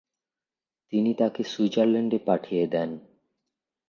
তিনি তাকে সুইজারল্যান্ডে পাঠিয়ে দেন।